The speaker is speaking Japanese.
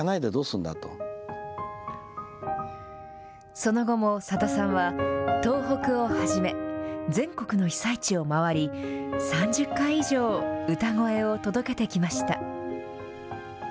その後もさださんは、東北をはじめ、全国の被災地を回り、３０回以上歌声を届けてきました。